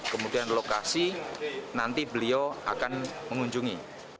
kemudian lokasi nanti beliau akan mengunjungi